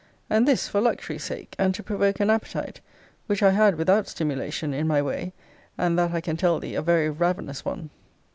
And this for luxury sake, and to provoke an appetite; which I had without stimulation, in my way, and that I can tell thee a very ravenous one.